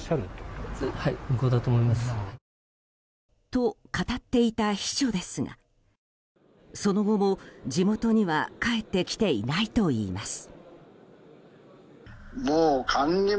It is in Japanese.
と語っていた秘書ですがその後も地元には帰ってきていないといいます。